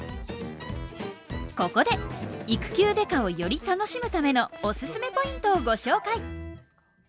ここで「育休刑事」をより楽しむためのおすすめポイントをご紹介。